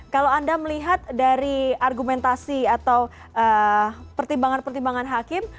kalau anda melihat dari argumentasi atau pertimbangan pertimbangan hakim